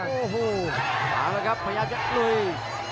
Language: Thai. โอ้โหมาแล้วครับพยายามจะลุย